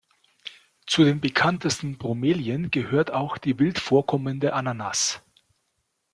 Zu den bekanntesten Bromelien gehört die auch wild vorkommende Ananas.